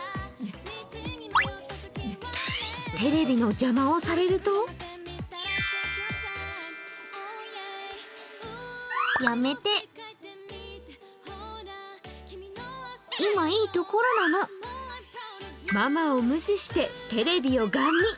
テレビの邪魔をされるとママを無視してテレビをガン見。